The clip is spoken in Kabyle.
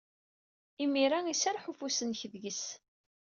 Imir-a iserreḥ ufus-nnek deg-s.